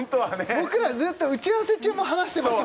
僕らずっと打ち合わせ中も話してました